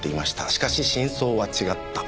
しかし真相は違った。